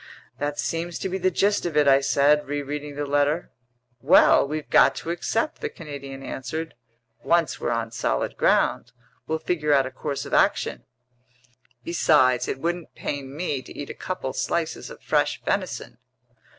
"That seems to be the gist of it," I said, rereading the letter. "Well, we've got to accept!" the Canadian answered. "Once we're on solid ground, we'll figure out a course of action. Besides, it wouldn't pain me to eat a couple slices of fresh venison!"